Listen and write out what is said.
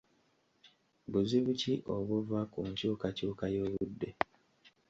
Buzibu ki obuva ku nkyukakyuka y'obudde?